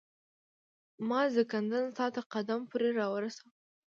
ما زکندن ستا تر قدم پوري را ورساوه